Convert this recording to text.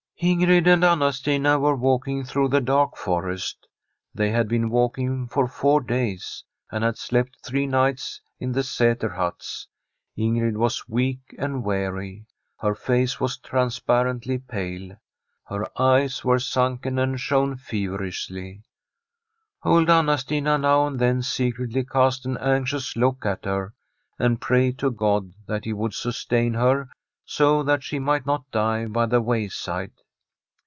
VI Ingrid and Anna Stina were walking through the dark forest. They had been walking for four days, and had slept three nights in the Sater huts. Ingrid was weak and weary ; her face was trans parently pale ; her eyes were sunken, and shone feverishly. Old Anna Stina now and then secretly cast an anxious look at her, and prayed to God that He would sustain her so that she might not die by the wayside.